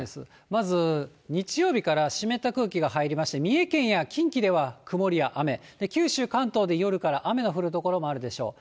まず日曜日から湿った空気が入りまして、三重県や近畿では、曇りや雨、九州、関東で夜から雨の降る所もあるでしょう。